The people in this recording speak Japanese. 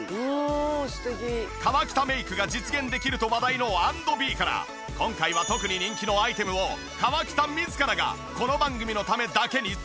河北メイクが実現できると話題の＆ｂｅから今回は特に人気のアイテムを河北自らがこの番組のためだけに特別セレクト。